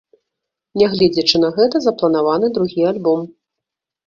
Нягледзячы на гэта, запланаваны другі альбом.